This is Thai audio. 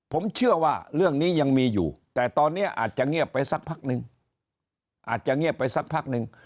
ผมเชื่อว่าเรื่องนี้ยังมีอยู่แต่ตอนนี้อาจจะเงียบไปสักพักหนึ่ง